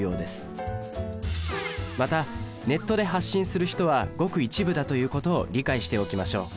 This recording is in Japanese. またネットで発信する人はごく一部だということを理解しておきましょう。